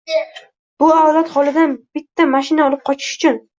Bu avlod xolidan bitta mashina olib qochish uchun...